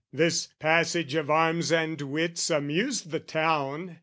This passage of arms and wits amused the town.